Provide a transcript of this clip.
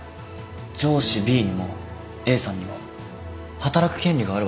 上司ＢにもＡさんにも働く権利があるわけで。